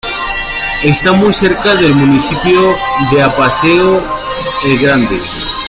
Está muy cerca del municipio de Apaseo el Grande.